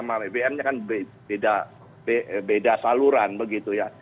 undang sama bbmnya kan beda saluran begitu ya